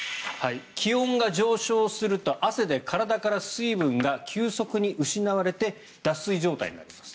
気温が上昇すると汗で体から水分が急速に失われて脱水状態になります。